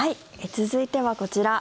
続いてはこちら。